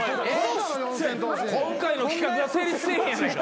今回の企画が成立せえへんやないか。